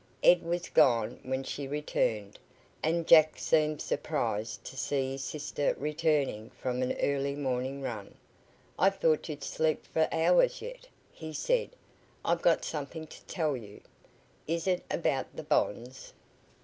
Ed was gone when she returned, and Jack seemed surprised to see his sister returning from an early morning run. "I thought you'd sleep for hours yet," he said "I've got something to tell you." "Is it about the bonds?"